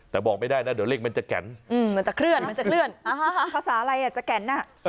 แต่บอกไม่ได้นะเดี๋ยวเลขมันจะแก่นมันจะเคลื่อนมันจะเคลื่อนภาษาอะไรอ่ะจะแก่นอ่ะ